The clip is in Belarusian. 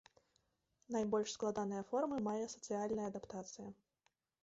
Найбольш складаныя формы мае сацыяльная адаптацыя.